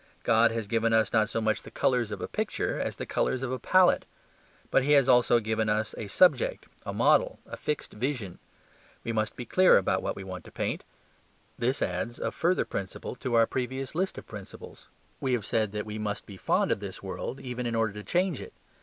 God has given us not so much the colours of a picture as the colours of a palette. But he has also given us a subject, a model, a fixed vision. We must be clear about what we want to paint. This adds a further principle to our previous list of principles. We have said we must be fond of this world, even in order to change it.